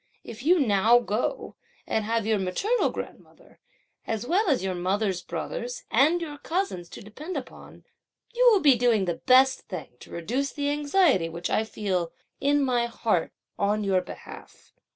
If you now go and have your maternal grandmother, as well as your mother's brothers and your cousins to depend upon, you will be doing the best thing to reduce the anxiety which I feel in my heart on your behalf.